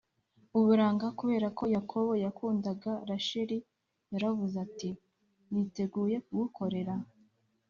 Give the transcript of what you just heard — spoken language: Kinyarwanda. Uburanga kubera ko yakobo yakundaga rasheli yaravuze ati niteguye kugukorera